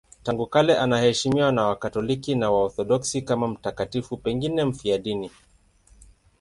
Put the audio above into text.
Tangu kale anaheshimiwa na Wakatoliki na Waorthodoksi kama mtakatifu, pengine mfiadini.